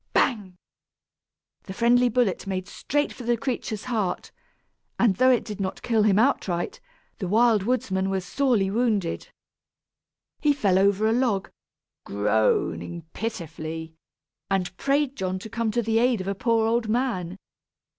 Bang! The friendly bullet made straight for the creature's heart, and though it did not kill him outright, the Wild Woodsman was sorely wounded. He fell over a log, groaning pitifully, and prayed John to come to the aid of a poor old man.